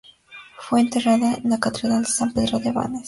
Fue enterrada en la catedral de San Pedro de Vannes.